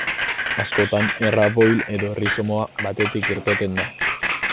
Askotan erraboil edo errizoma batetik irteten da.